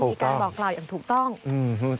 ต้องมีการบอกราวอย่างถูกต้อง